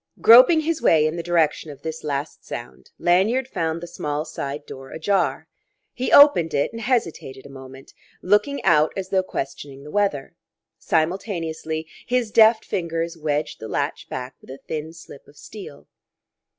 Groping his way in the direction of this last sound, Lanyard found the small side door ajar. He opened it, and hesitated a moment, looking out as though questioning the weather; simultaneously his deft fingers wedged the latch back with a thin slip of steel.